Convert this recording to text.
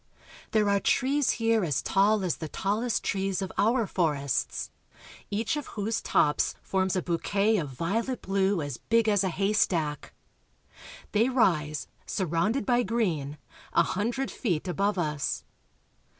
There are trees here, as tall as the tallest trees of our for ests, each of whose tops forms a bouquet of violet blue as big as a haystack. They rise, surrounded by green, a hundred feet above us.